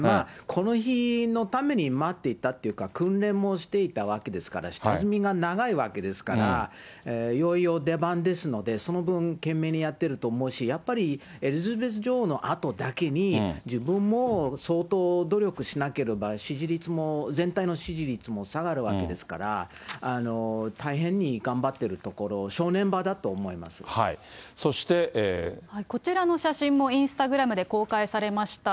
この日のために待っていたっていうか、訓練もしていたわけですから、下積みが長いわけですから、いよいよ出番ですので、その分、懸命にやってると思いますし、やっぱり、エリザベス女王のあとだけに、自分も相当、努力しなければ、支持率も、全体の支持率も下がるわけですから、大変に頑張っているところ、そして。こちらの写真もインスタグラムで公開されました。